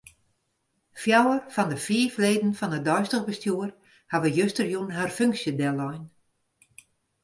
Fjouwer fan 'e fiif leden fan it deistich bestjoer hawwe justerjûn har funksje dellein.